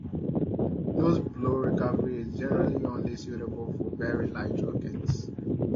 Nose-blow recovery is generally only suitable for very light rockets.